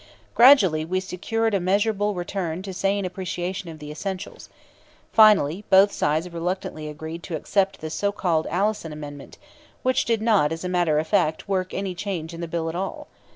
Gradually we secured a measurable return to sane appreciation of the essentials. Finally both sides reluctantly agreed to accept the so called Allison amendment which did not, as a matter of fact, work any change in the bill at all.